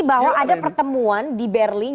bahwa ada pertemuan di berlin